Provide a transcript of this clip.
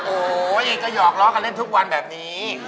โอ้ยก็หยอกร้องทุกวันแบบนี้